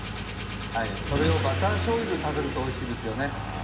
それをバターじょうゆで食べるとおいしいですよね。